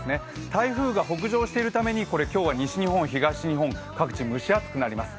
台風が北上しているために今日は、西日本、東日本、各地蒸し暑くなります。